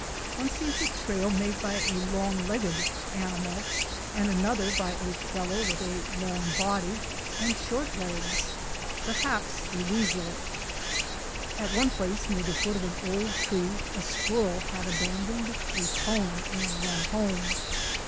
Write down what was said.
One sees a trail made by a long legged animal and another by a fellow with a long body and short legs — perhaps a weasel. At one place near the foot of an old tree a squirrel had abandoned a cone and run home.